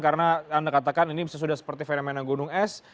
karena anda katakan ini sudah seperti fenomena gunung es